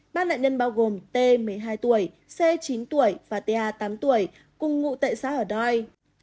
ba nạn nhân bao gồm t một mươi hai tuổi c chín tuổi và t tám tuổi cùng ngụ tệ xã hồ noi